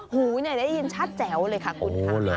หูได้ยินชัดแจ๋วเลยค่ะคุณค่ะ